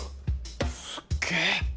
すっげぇ！